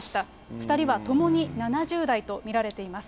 ２人はともに７０代と見られています。